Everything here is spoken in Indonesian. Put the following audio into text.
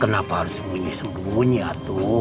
kenapa harus sembunyi sembunyi tuh